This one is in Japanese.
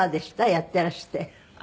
やっていらして。